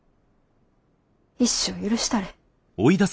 一生許したれへん。